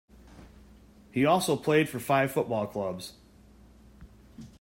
He also played for five football clubs.